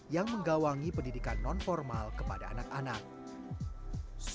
dan setelah dei selesai clubeffect men learna semua kalau sertai seastu di berita markz